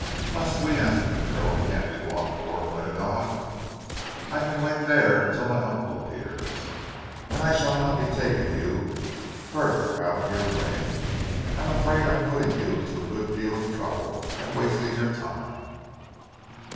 "Must we?" asked the girl. "Can't we go on to Fort Winagog? I can wait there till my uncle appears, and I shall not be taking you further out of your way. I am afraid I am putting you to a good deal of trouble, and wasting your time."